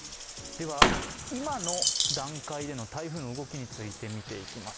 今の段階での台風の動きについて見ていきます。